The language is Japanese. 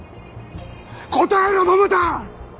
答えろ百田！